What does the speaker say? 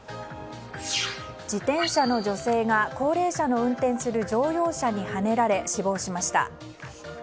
自転車の女性が高齢者が運転する乗用車にはねられ死亡しました。